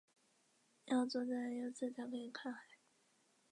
要坐在右侧才可以看海